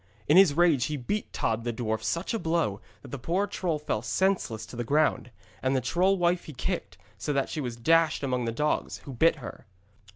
In his rage he beat Tod the dwarf such a blow, that the poor troll fell senseless to the ground; and the troll wife he kicked, so that she was dashed among the dogs, who bit her.